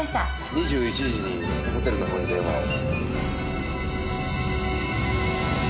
２１時にホテルのほうに電話を。